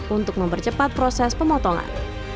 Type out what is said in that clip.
untuk mempercepat proses pemotongan